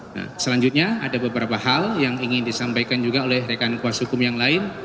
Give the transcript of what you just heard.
nah selanjutnya ada beberapa hal yang ingin disampaikan juga oleh rekan kuasa hukum yang lain